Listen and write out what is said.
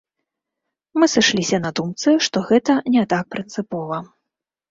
Мы сышліся на думцы, што гэта не так прынцыпова.